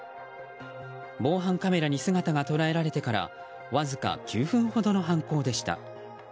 防犯カメラに姿が捉えられてからわずか９分ほどの犯行でした。